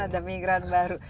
ada migran baru